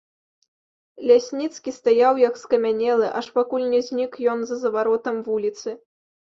Лясніцкі стаяў, як скамянелы, аж пакуль не знік ён за заваротам вуліцы.